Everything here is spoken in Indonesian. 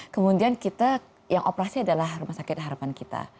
kemudian kita yang operasi adalah rumah sakit harapan kita